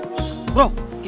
maaf dek gak ada uang kecil